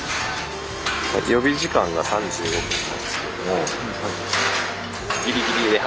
予備時間が３５分なんですけれども。